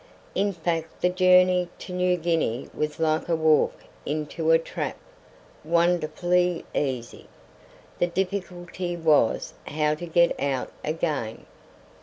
In fact the journey to New Guinea was like a walk into a trap wonderfully easy. The difficulty was how to get out again.